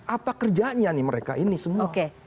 apa kerjanya nih mereka ini semua